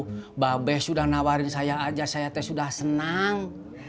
mbak bes sudah nawarin saya aja saya teh sudah senang